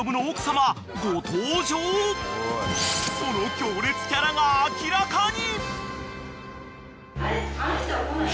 ［その強烈キャラが明らかに！］